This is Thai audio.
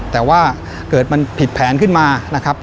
แต่ว่าเกิดมันผิดแผนขึ้นมานะครับ